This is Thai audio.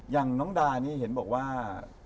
อย่างน้องดานี่เห็นบอกว่า